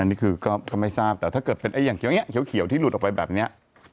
อันนี้คือก็ไม่ทราบแต่ถ้าเกิดเป็นอย่างเขียวอย่างนี้เขียวที่หลุดออกไปแบบนี้